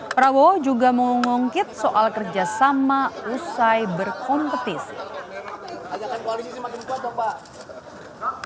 prabowo juga mengungkit soal kerjasama usai berkompetisi